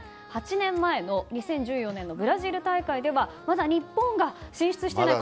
８年前の２０１４年のブラジル大会ではまだ日本が進出していない